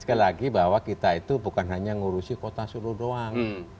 sekali lagi bahwa kita itu bukan hanya ngurusi kota solo doang